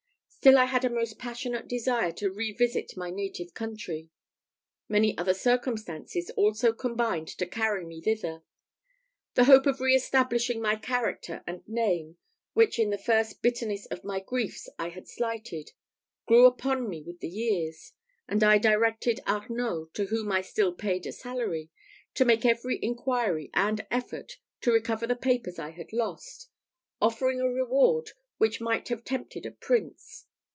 Still I had a most passionate desire to revisit my native country. Many other circumstances also combined to carry me thither. The hope of reestablishing my character and name, which in the first bitterness of my griefs I had slighted, grew upon me with years, and I directed Arnault, to whom I still paid a salary, to make every inquiry and effort to recover the papers I had lost, offering a reward which might have tempted a prince.